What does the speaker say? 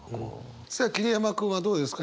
さあ桐山君はどうですか？